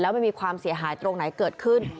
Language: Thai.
แล้วไม่มีความเสียหายตรงไหนเกิดขึ้น